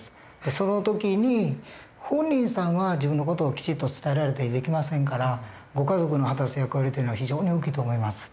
その時に本人さんは自分の事をきちっと伝えられたりできませんからご家族の果たす役割というのは非常に大きいと思います。